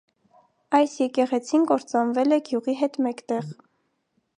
Այս եկեղեցին կործանվել է գյուղի հետ մեկտեղ։